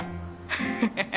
ハハハハ！